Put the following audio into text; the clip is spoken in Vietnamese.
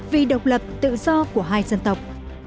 vì độc lập tự do của hai dân tộc